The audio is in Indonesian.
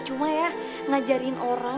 itu enak banget banget susana